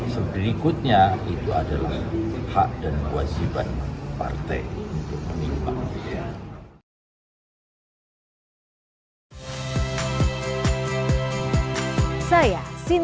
sebelikutnya itu adalah hak dan wajiban